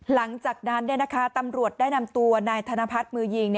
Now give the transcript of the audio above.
หลังจากนั้นตำรวจได้นำตัวนายธนพัฒน์มือยิง